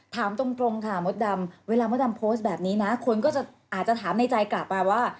ถามตรงค่ะมดดำเวลามดดำโพสต์แบบนี้นะคนก็จะอาจจะถามในใจกลับมาว่า